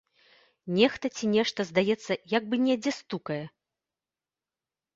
Нехта ці нешта, здаецца, як бы недзе стукае?